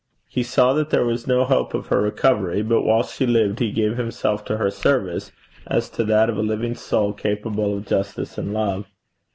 He saw that there was no hope of her recovery, but while she lived he gave himself to her service as to that of a living soul capable of justice and love.